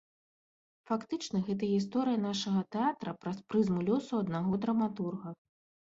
Фактычна гэта гісторыя нашага тэатра праз прызму лёсу аднаго драматурга.